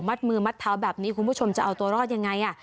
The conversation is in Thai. มือมัดเท้าแบบนี้คุณผู้ชมจะเอาตัวรอดยังไง